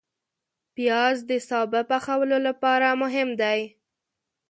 پیاز د سابه پخولو لپاره مهم دی